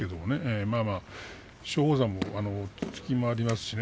また松鳳山も突きがありますからね